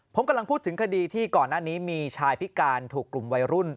ผมกำลังพูดถึงคดีที่ก่อนหน้านี้มีชายพิการถูกกลุ่มวัยรุ่น